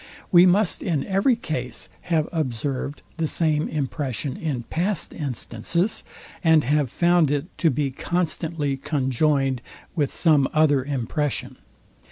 We must in every case have observed the same impression in past instances, and have found it to be constantly conjoined with some other impression.